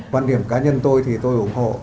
văn điểm cá nhân tôi thì tôi ủng hộ